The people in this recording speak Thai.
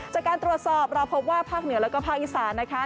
จากการตรวจสอบเราพบว่าภาคเหนือแล้วก็ภาคอีสานนะคะ